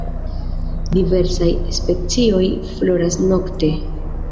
Diversaj specioj floras nokte.